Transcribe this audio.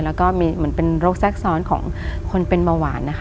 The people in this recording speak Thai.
แล้วก็มีเหมือนเป็นโรคแทรกซ้อนของคนเป็นเบาหวานนะคะ